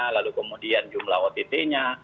lalu kemudian jumlah ott nya